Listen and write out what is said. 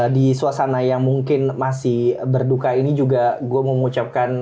di suasana yang mungkin masih berduka ini juga gue mengucapkan